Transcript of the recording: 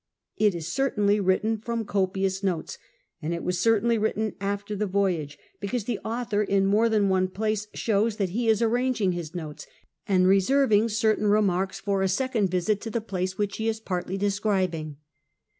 It is certainly written from copious notes, and it was certainly written after the voyage, be cause the author in more than one place shows that he is arranging his notes, and reserving certain remarks for a second visit to the place which he is partly describing.